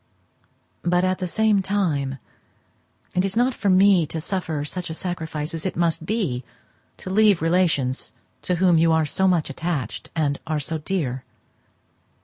But, at the same time, it is not for me to suffer such a sacrifice as it must be to leave relations to whom you are so much attached, and are so dear.